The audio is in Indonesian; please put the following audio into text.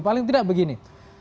paling tidak begini